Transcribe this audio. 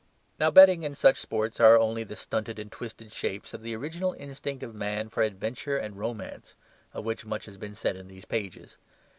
Now betting and such sports are only the stunted and twisted shapes of the original instinct of man for adventure and romance, of which much has been said in these pages.